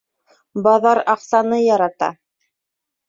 Баҙар аҡсаны ярата.